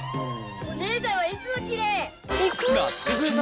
お姉ちゃんはいつもきれい。